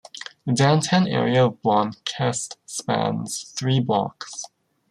The downtown area of Blomkest spans three blocks.